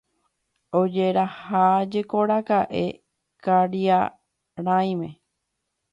Ojerahájekoraka'e ka'irãime